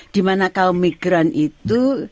dimana kaum migran itu